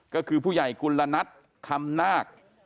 ก็คือผู้ใหญ่กุลนัทคำนาค